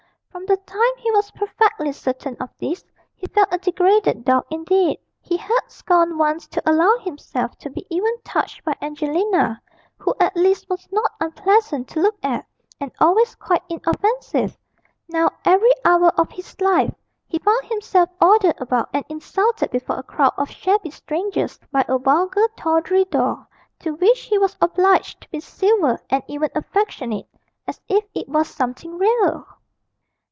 From the time he was perfectly certain of this he felt a degraded dog indeed. He had scorned once to allow himself to be even touched by Angelina (who at least was not unpleasant to look at, and always quite inoffensive): now, every hour of his life he found himself ordered about and insulted before a crowd of shabby strangers by a vulgar tawdry doll, to which he was obliged to be civil and even affectionate as if it was something real!